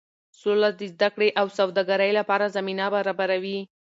سوله د زده کړې او سوداګرۍ لپاره زمینه برابروي.